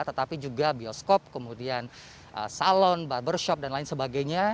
tetapi juga bioskop kemudian salon barbershop dan lain sebagainya